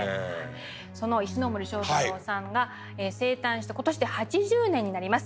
その石森章太郎さんが生誕して今年で８０年になります。